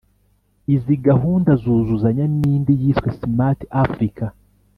Izi gahunda zuzuzanya n’indi yiswe Smart Africa